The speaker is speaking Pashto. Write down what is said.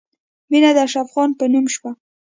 مینه د اشرف خان په نوم شوه